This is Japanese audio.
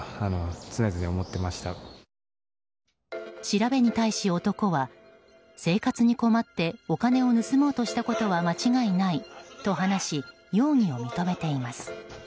調べに対し男は生活に困ってお金を盗もうとしたことは間違いないと話し容疑を認めています。